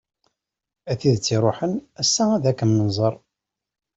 A tidet iṛuḥen, ass-a ad kem-nẓeṛ.